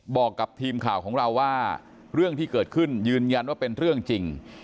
บอกกับทีมข่าวของเราว่าเรื่องที่เกิดขึ้นยืนยันว่าเป็นเรื่องจริง